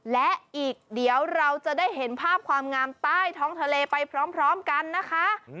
และอีกเดี๋ยวเราจะได้เห็นภาพความงามใต้ท้องทะเลไปพร้อมกันนะคะ